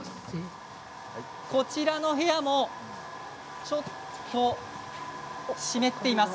こちらの部屋もちょっと湿っています。